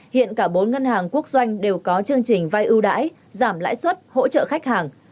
hiện cả bốn ngân hàng quốc doanh đều có chương trình vai ưu đãi giảm lãi suất hỗ trợ khách hàng